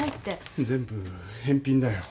全部返品だよ。